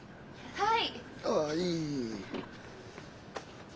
はい。